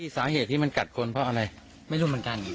สาเหตุที่มันกัดคนเพราะอะไรไม่รู้เหมือนกัน